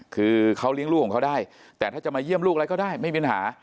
คือเขาเลี้ยงลูกเราได้แต่ถ้าจะมาเยี่ยมลูกเราก็ได้ไม่มีเนื้อหา